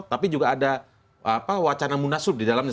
tapi juga ada wacana munaslup di dalamnya